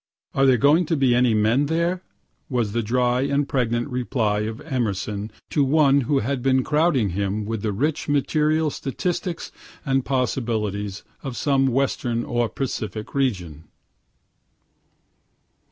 ("Are there going to be any men there?" was the dry and pregnant reply of Emerson to one who had been crowding him with the rich material statistics and possibilities of some western or Pacific region.)